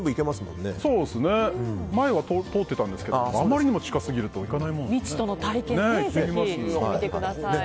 前は通っていたんですけどあまりにも近すぎると行かないものですね。